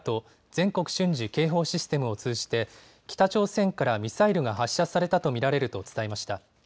・全国瞬時警報システムを通じて北朝鮮からミサイルが発射されたと見られると伝えました。